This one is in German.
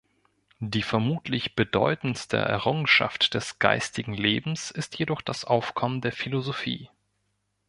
Die vermutlich bedeutendste Errungenschaft des geistigen Lebens ist jedoch das Aufkommen der Philosophie.